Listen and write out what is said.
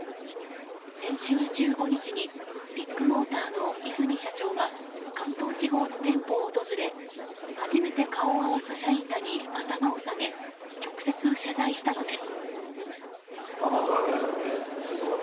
先週１５日にビッグモーターの和泉社長が関東地方の店舗を訪れ初めて顔を合わす社員らに頭を下げ、直接謝罪したのです。